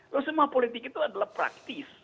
loh semua politik itu adalah praktis